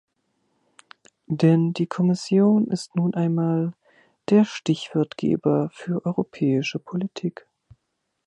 Denn die Kommission ist nun einmal der Stichwortgeber für europäische Politik.